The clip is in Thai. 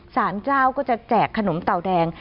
สารเจ้าก็จะแจกขนมเต่าแดง